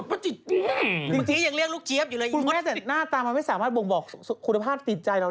พี่ชายที่เรารักไม่ได้จับชอบการไว้ตัวเนี่ย